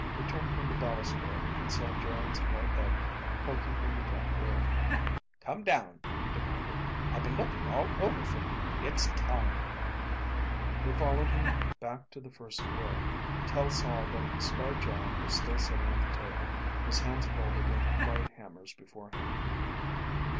They turned from the balustrade and saw Geryn's white head poking from the trap door. "Come down," he demanded. "I've been looking all over for you. It's time." They followed him back to the first floor. Tel saw that the scarred giant was still sitting at the table, his hands folded into quiet hammers before him.